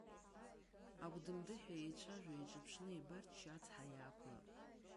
Агәды-мыдыҳәа еицәажәо, еиҿаԥшны еибарччо ацҳа иаақәлап.